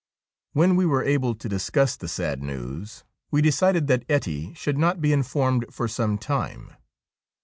When we were able to discuss the sad news we decided that Ettie should not be informed for some time.